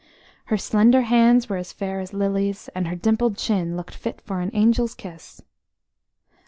Her slender hands were as fair as lilies, and her dimpled chin looked fit for an angel's kiss.